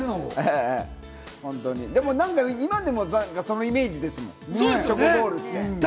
でも、今でもそのイメージですもん、チョコボールって。